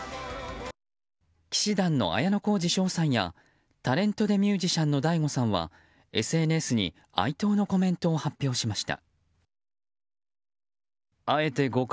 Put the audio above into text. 氣志團の綾小路翔さんやタレントでミュージシャンのＤＡＩＧＯさんはＳＮＳに哀悼のコメントを発表しました。